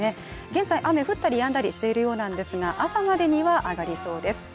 現在、雨が降ったりやんだりしているようですが朝までには上がりそうです。